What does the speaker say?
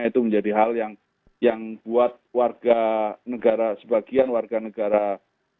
itu menjadi hal yang buat warga negara sebagai negara yang lebih baik